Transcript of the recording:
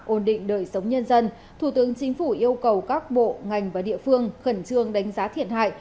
ổn định đời sống nhân dân thủ tướng chính phủ yêu cầu các bộ ngành và địa phương khẩn trương đánh giá thiệt hại